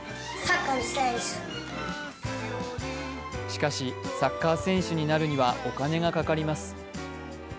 しかし、サッカー選手になるにはお金がかかります。